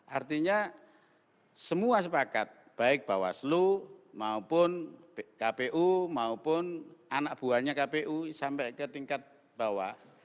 artinya semua sepakat baik bawaslu maupun kpu maupun anak buahnya kpu sampai ke tingkat bawah